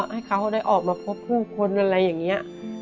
ให้เขาได้ออกมาพบผู้คนอะไรอย่างนี้